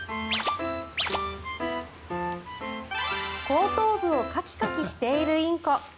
後頭部をカキカキしているインコ。